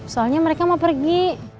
soalnya mereka mau pergi